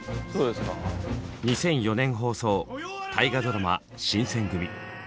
２００４年放送大河ドラマ「新選組！」。